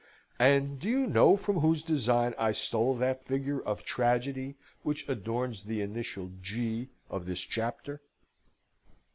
And do you know from whose design I stole that figure of Tragedy which adorns the initial G of this chapter?